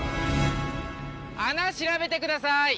穴調べてください。